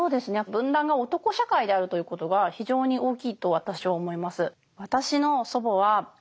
文壇が男社会であるということが非常に大きいと私は思います。